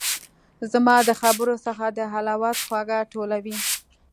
زما د خبرو څخه د حلاوت خواږه ټولوي